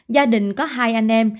gia đình có hai anh em